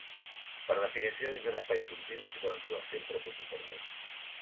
Per definició dins un espai continu s'hi poden trobar sempre punts intermedis.